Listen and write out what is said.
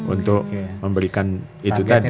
untuk memberikan itu tadi